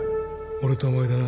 俺とお前でな